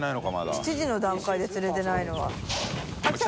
７時の段階で釣れてないのは。